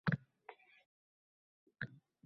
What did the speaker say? Hammaning og`zida shivir-shivir gap